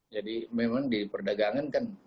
jadi memang di perdagangan kan